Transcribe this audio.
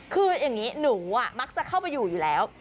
คืออย่างนี้หนูมักจะเข้าไปอยู่อยู่แล้ว